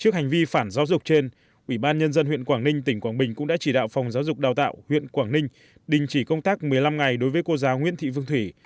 trước hành vi phản giáo dục trên ủy ban nhân dân huyện quảng ninh tỉnh quảng bình cũng đã chỉ đạo phòng giáo dục đào tạo huyện quảng ninh đình chỉ công tác một mươi năm ngày đối với cô giáo nguyễn thị vương thủy